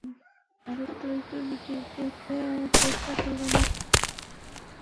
আরে তুই তো ব্রিটিশদের কে, তোর চাকর বানিয়েছিস।